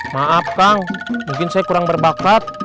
maaf kang mungkin saya kurang berbakat